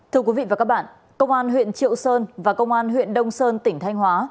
thưa quý vị và các bạn công an huyện triệu sơn và công an huyện đông sơn tỉnh thanh hóa